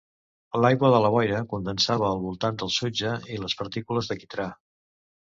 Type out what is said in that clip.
L'aigua de la boira condensava al voltant del sutge i les partícules de quitrà.